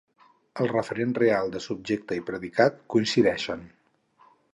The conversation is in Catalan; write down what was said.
El referent real de subjecte i predicat coincideixen.